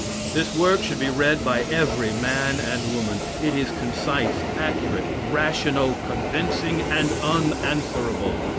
This work should be read by every man and woman. It is concise, accurate, rational, convincing, and unanswerable.